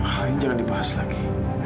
hal ini jangan dibahas lagi